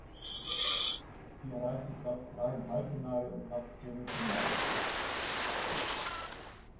Sie erreichte Platz drei im Halbfinale und Platz zehn im Finale.